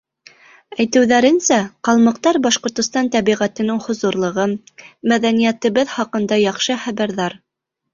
Әйтеүҙәренсә, ҡалмыҡтар Башҡортостан тәбиғәтенең хозурлығы, мәҙәниәтебеҙ хаҡында яҡшы хәбәрҙар.